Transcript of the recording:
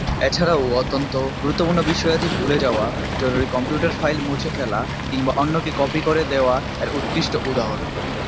এছাড়াও, অত্যন্ত গুরুত্বপূর্ণ বিষয়াদি ভুলে যাওয়া, জরুরী কম্পিউটার ফাইল মুছে ফেলা কিংবা অন্যকে কপি করে দেয়া এর উৎকৃষ্ট উদাহরণ।